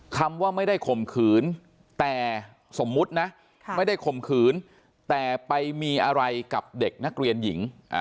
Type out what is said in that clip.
คำว่าไม่ได้ข่มขืนแต่สมมุตินะไม่ได้ข่มขืนแต่ไปมีอะไรกับเด็กนักเรียนหญิง